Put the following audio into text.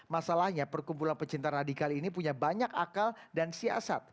masalahnya perkumpulan pecinta radikal ini punya banyak akal dan siasat